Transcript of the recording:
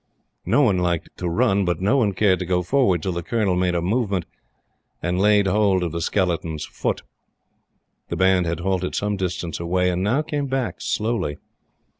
No one liked to run; but no one cared to go forward till the Colonel made a movement and laid hold of the skeleton's foot. The Band had halted some distance away, and now came back slowly.